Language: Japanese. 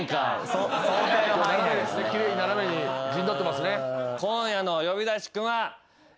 奇麗に斜めに陣取ってますね。